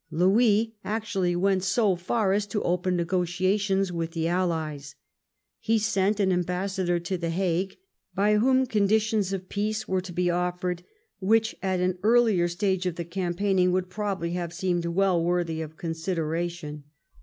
Louis actually went so far as to open negotiations with the allies. He sent an ambassador to The Hague, by whom conditions of peace were to be offered which at an earlier stage of the cam paigning would probably have seemed well worthy of consideration.